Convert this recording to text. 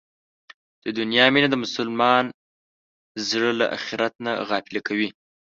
د دنیا مینه د مسلمان زړه له اخرت نه غافله کوي.